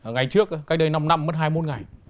ngày trước cách đây năm năm mất hai mươi một ngày